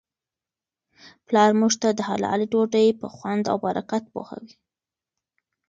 پلارموږ ته د حلالې ډوډی په خوند او برکت پوهوي.